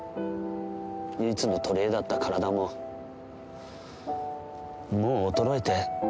唯一の取り柄だった体も、もう衰えて。